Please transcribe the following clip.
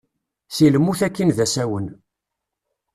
Si lmut akin d asawen.